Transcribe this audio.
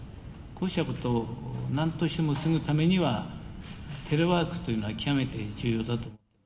こうしたことをなんとしても防ぐためには、テレワークというのは極めて重要だと。